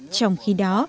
trong khi đó